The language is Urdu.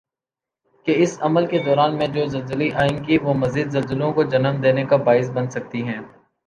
کہ اس عمل کی دوران میں جو زلزلی آئیں گی وہ مزید زلزلوں کو جنم دینی کا باعث بن سکتی ہیں